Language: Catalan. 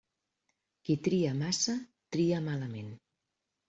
Qui tria massa, tria malament.